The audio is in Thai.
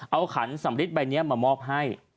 เอาขันสำริดใบนี้มามอบให้